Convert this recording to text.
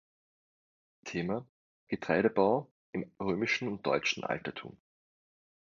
Thema: „Getreidebau "im Römischen und Deutschen Altertum"“.